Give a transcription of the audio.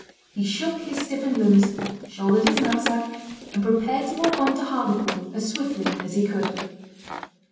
He shook his stiffened limbs, shouldered his knapsack, and prepared to walk on to Hartlepool as swiftly as he could.